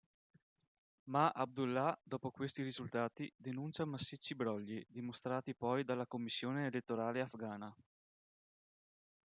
Ma Abdullah, dopo questi risultati, denuncia massicci brogli, dimostrati poi dalla commissione elettorale afghana.